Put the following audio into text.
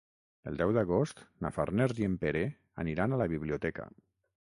El deu d'agost na Farners i en Pere aniran a la biblioteca.